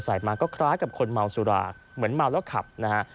มาก็คล้ายกับคนเมาสุราเหมือนเมาแล้วขับนะฮะ